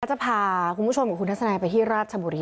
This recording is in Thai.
จะพาคุณผู้ชมกับคุณทัศนัยไปที่ราชบุรี